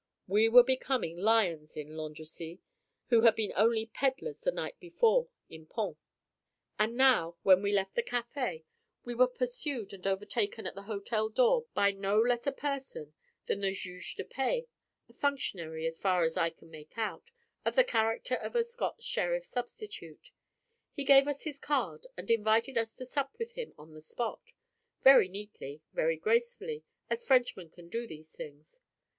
We were becoming lions in Landrecies, who had been only pedlars the night before in Pont. And now, when we left the café, we were pursued and overtaken at the hotel door by no less a person than the Juge de Paix: a functionary, as far as I can make out, of the character of a Scots Sheriff Substitute. He gave us his card and invited us to sup with him on the spot, very neatly, very gracefully, as Frenchmen can do these things.